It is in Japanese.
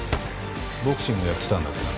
ボクシングやってたんだってな？